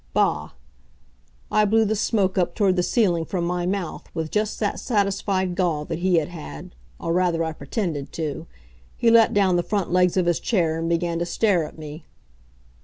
Bah!" I blew the smoke up toward the ceiling from my mouth, with just that satisfied gall that he had had; or rather, I pretended to. He let down the front legs of his chair and began to stare at me.